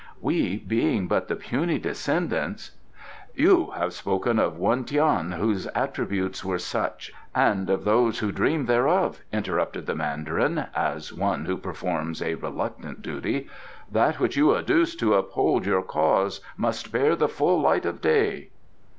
We, being but the puny descendants " "You have spoken of one Tian whose attributes were such, and of those who dream thereof," interrupted the Mandarin, as one who performs a reluctant duty. "That which you adduce to uphold your cause must bear the full light of day."